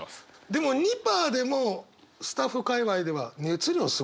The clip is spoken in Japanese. でも２％でもスタッフ界わいでは「熱量すごいね」。